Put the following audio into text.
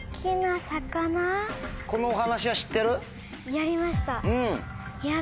やりました。